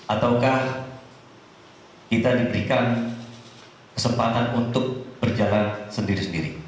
ataukah kita diberikan kesempatan untuk berjalan sendiri sendiri